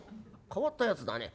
変わったやつだね。